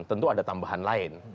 tentu ada tambahan lain